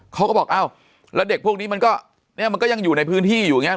เขาก็บอกอ้าวแล้วเด็กพวกนี้มันก็เนี่ยมันก็ยังอยู่ในพื้นที่อยู่อย่างนี้